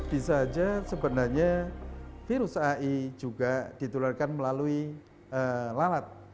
bisa saja sebenarnya virus ai juga ditularkan melalui lalat